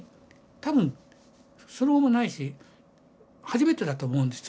多分その後もないし初めてだと思うんですよ